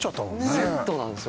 セットなんですよ